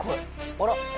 あら？